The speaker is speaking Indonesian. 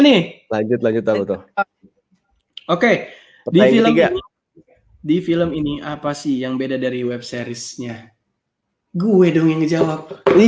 nih lanjut lanjut oke di film ini apa sih yang beda dari webseries nya gue dong jawab